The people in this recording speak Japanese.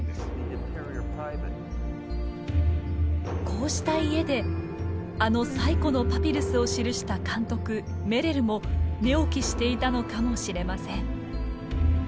こうした家であの最古のパピルスを記した監督メレルも寝起きしていたのかもしれません。